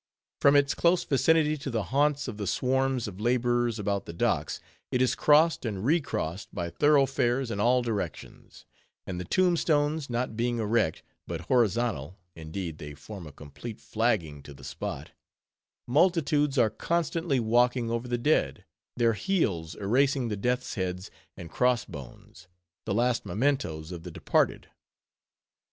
From its close vicinity to the haunts of the swarms of laborers about the docks, it is crossed and re crossed by thoroughfares in all directions; and the tomb stones, not being erect, but horizontal (indeed, they form a complete flagging to the spot), multitudes are constantly walking over the dead; their heels erasing the death's heads and crossbones, the last mementos of the departed.